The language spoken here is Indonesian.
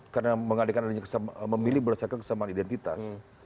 karena mengadakan adanya memilih berdasarkan kesamaan identitas